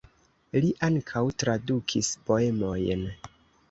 Li ankaŭ tradukis poemojn.